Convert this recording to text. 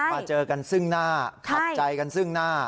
มาเจอกันซึ่งหน้าขัดใจกันซึ่งหน้า